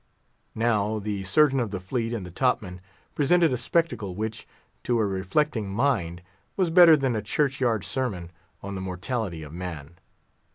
Now the Surgeon of the Fleet and the top man presented a spectacle which, to a reflecting mind, was better than a church yard sermon on the mortality of man.